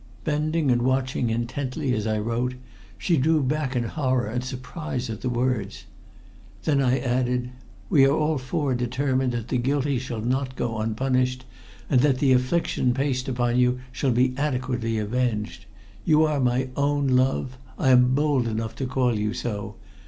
Bending and watching intently as I wrote, she drew back in horror and surprise at the words. Then I added: "We are all four determined that the guilty shall not go unpunished, and that the affliction placed upon you shall be adequately avenged. You are my own love I am bold enough to call you so.